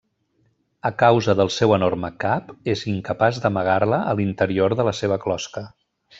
A causa del seu enorme cap, és incapaç d'amagar-la a l'interior de la seva closca.